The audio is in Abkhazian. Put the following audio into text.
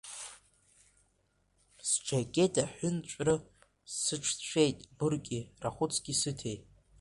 Сџьакет аҳәынҵәры сыцәҿшәеит, гәырки рахәыцки сыҭеи!